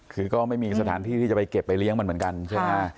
คือก็ไม่มีสถานที่ที่จะไปเก็บไปเลี้ยงมันเหมือนกันใช่ไหม